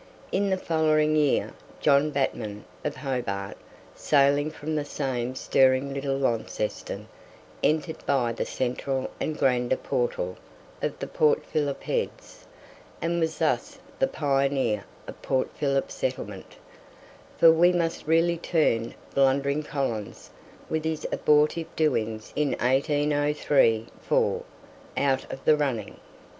In the following year, John Batman, of Hobart, sailing from the same stirring little Launceston, entered by the central and grander portal of the Port Phillip Heads, and was thus the pioneer of Port Phillip settlement; for we must really turn blundering Collins, with his abortive doings in 1803 4, out of the running.